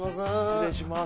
失礼します。